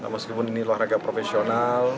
meskipun ini olahraga profesional